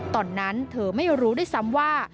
ตอนนั้นเธอไม่รู้ด้วยซ้ำว่า